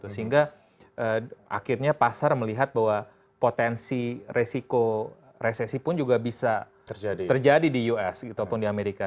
sehingga akhirnya pasar melihat bahwa potensi resiko resesi pun juga bisa terjadi di us ataupun di amerika